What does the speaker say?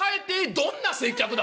どんな接客だ。